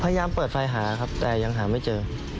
พยายามเปิดไฟหาครับแต่ยังหาไม่เจอ